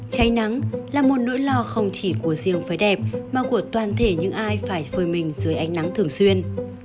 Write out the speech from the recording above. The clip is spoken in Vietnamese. cháy nắng là một nỗi lo không chỉ của riêng phải đẹp mà của toàn thể những ai phải phơi mình dưới ánh nắng thường xuyên